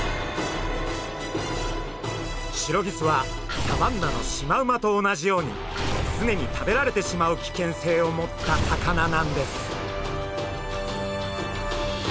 シロギスはサバンナのシマウマと同じように常に食べられてしまう危険性を持った魚なんです。